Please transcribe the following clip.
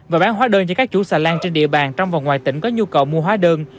và bán hóa đơn cho các chủ xà lan trên địa bàn trong và ngoài tỉnh có nhu cầu mua hóa đơn